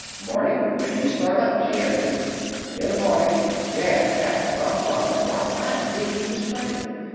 "'Morning! When do you start out?" she asked him. "In the morning. Gad, that's some line, what? I'm itching to spread it.